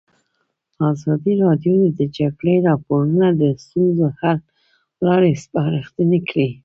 ازادي راډیو د د جګړې راپورونه د ستونزو حل لارې سپارښتنې کړي.